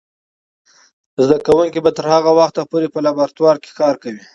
زده کوونکې به تر هغه وخته پورې په لابراتوار کې کار کوي.